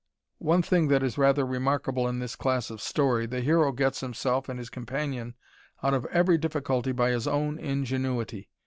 One thing that is rather remarkable in this class of story, the hero gets himself and his companion out of every difficulty by his own ingenuity.